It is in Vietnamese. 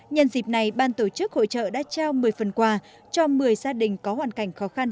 nhân dịp này ban tổ chức hội trợ đã trao một mươi phần quà cho một mươi gia đình có hoàn cảnh khó khăn